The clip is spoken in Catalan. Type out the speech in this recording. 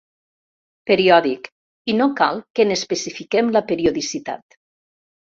Periòdic, i no cal que n'especifiquem la periodicitat.